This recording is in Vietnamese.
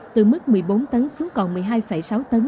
từ mức một mươi bốn tấn xuống còn một mươi hai sáu tấn